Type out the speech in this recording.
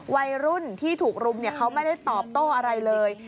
วัยรุ่นที่ถูกรุมเขาไม่ได้ตอบโต้อะไรเลย